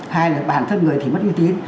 hai là bản thân người thì mất uy tín